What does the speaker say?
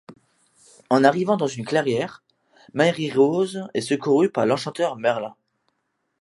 En arrivant dans une clairière, Marie-Rose est secourue par l'enchanteur Merlin.